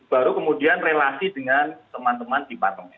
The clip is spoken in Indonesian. baru kemudian relasi dengan teman teman di parlemen